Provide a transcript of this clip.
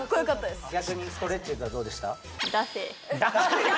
逆にストレッチーズはどうでした？